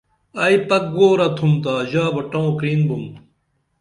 ائی پک گورہ تُھمتا ژا بہ ٹووں کرین بُم